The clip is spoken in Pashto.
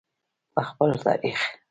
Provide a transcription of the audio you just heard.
په خپل تاریخ.